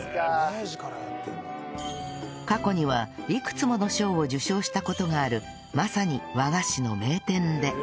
過去にはいくつもの賞を受賞した事があるまさに和菓子の名店で